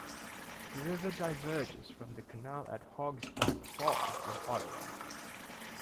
The river diverges from the Canal at Hog's Back Falls in Ottawa.